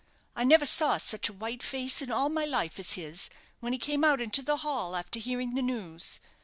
I never saw such a white face in all my life as his, when he came out into the hall after hearing the news.